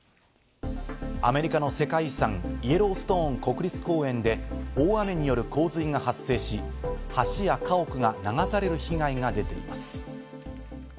アメリカの世界遺産・イエローストーン国立公園で大雨による洪水が発生し、橋や家屋が流される被害が出ています。